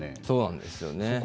そうなんですよね。